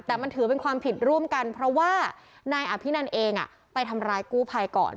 แต่มันถือเป็นความผิดร่วมกันเพราะว่านายอภินันเองไปทำร้ายกู้ภัยก่อน